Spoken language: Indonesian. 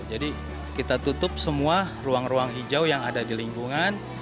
jadi kita tutup semua ruang ruang hijau yang ada di lingkungan